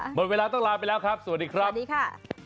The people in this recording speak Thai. หมดเวลาต้องลาไปแล้วครับสวัสดีครับสวัสดีค่ะ